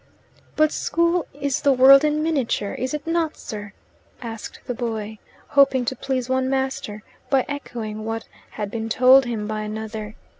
"But school is the world in miniature, is it not, sir?" asked the boy, hoping to please one master by echoing what had been told him by another.